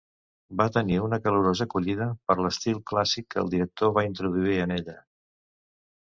Va tenir una calorosa acollida, per l'estil clàssic que el director va introduir en ella.